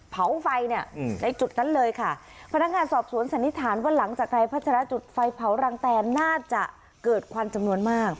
เผาไฟเนี่ยในจุดนั้นเลยค่ะพนักงานสอบสวนสันนิษฐานว่าหลังจากนายพัชราจุดไฟเผารังแตนน่าจะเกิดควันจำนวนมาก